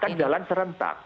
kita akan jalan serentak